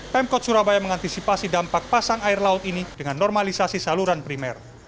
pemkot surabaya mengantisipasi dampak pasang air laut ini dengan normalisasi saluran primer